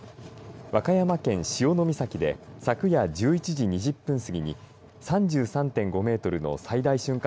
和歌山県潮岬で昨夜１１時２０分過ぎに３３．５メートルの最大瞬間